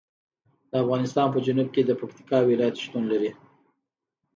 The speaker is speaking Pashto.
د افغانستان په جنوب کې د پکتیکا ولایت شتون لري.